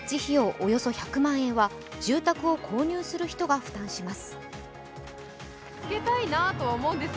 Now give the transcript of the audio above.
およそ１００万円は住宅を購入する人が負担します。